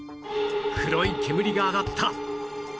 黒い煙が上がった